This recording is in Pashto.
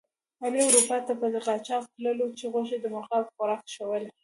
علي اروپا ته په قاچاق تللو چې غوښې د مرغانو خوراک شولې.